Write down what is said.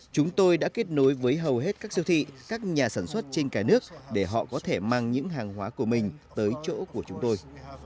chúng tôi đã kết nối với hầu hết các siêu thị các nhà sản xuất trên cả nước để họ có thể mang những hàng hóa của mình tới chỗ của chúng tôi